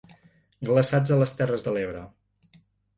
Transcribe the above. Glaçats a les terres de l'Ebre.